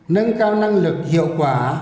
nâng cao năng lực hiệu quả